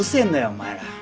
お前ら！